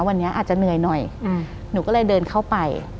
วันนี้อาจจะเหนื่อยหน่อยหนูก็เลยเดินเข้าไป